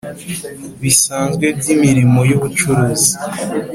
Bisanzwe by imirimo y ubucuruzi